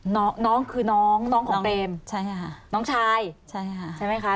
น้องน้องคือน้องน้องของเปรมใช่ค่ะน้องชายใช่ค่ะใช่ไหมคะ